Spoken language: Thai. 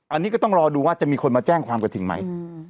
อันนี้ก็ต้องรอดูว่าจะมีคนมาแจ้งความกระถิ่นไหม